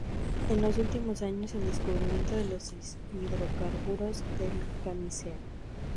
En los últimos años, el descubrimiento de los hidrocarburos del Camisea.